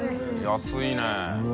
安いね。